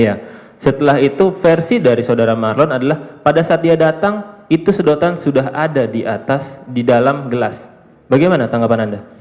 iya setelah itu versi dari saudara marlon adalah pada saat dia datang itu sedotan sudah ada di atas di dalam gelas bagaimana tanggapan anda